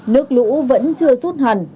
nước lũ vẫn chưa rút hẳn